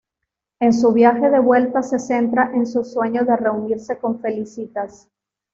En su viaje de vuelta se centra en su sueño de reunirse con Felicitas.